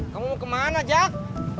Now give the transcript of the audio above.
kamu mau kemana jack